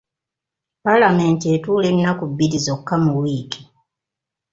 Paalamenti etuula ennaku bbiri zokka mu wiiki.